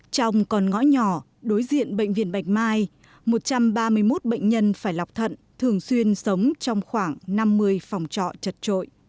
trong con ngõ nhỏ đối diện bệnh viện bạch mai một trăm ba mươi một bệnh nhân phải lọc thận thường xuyên sống trong khoảng năm mươi phòng trọ chật trội